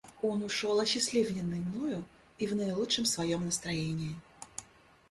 Он ушел осчастливленный мною и в наилучшем своем настроении.